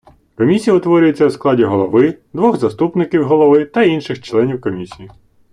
Комісія утворюється у складі голови, двох заступників голови та інших членів Комісії.